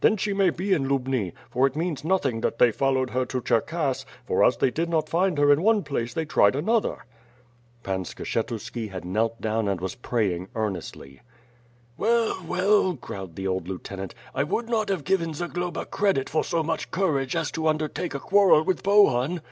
"Then she may be in Lubni, for it means nothing that they followed her to Gher kass; for as they did not find her in one place they tried another." Pan Skshetuski had knelt down and was praying earnestly. "Well, well," growled the old lieutenant, "I would not have given Zagloba credit for so much courage as to under take a quarrel with Bohun.